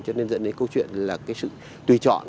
cho nên dẫn đến câu chuyện là cái sự tùy chọn